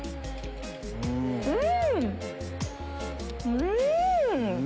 うん！